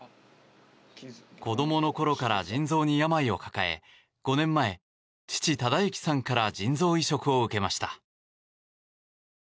子供のころから腎臓に病を抱え５年前、父・忠幸さんから腎臓移植を受けました。